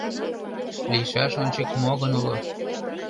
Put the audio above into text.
Лийшаш ончык мо гын уло